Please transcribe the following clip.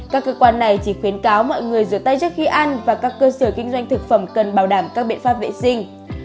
các cơ quan này chỉ khuyến cáo mọi người rửa tay trước khi ăn và các cơ sở kinh doanh thực phẩm cần bảo đảm các biện pháp vệ sinh